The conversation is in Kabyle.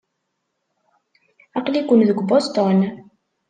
Aql-iken deg Boston.